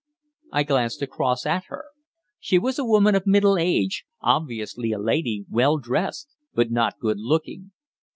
I glanced across at her. She was a woman of middle age, obviously a lady, well dressed, but not good looking.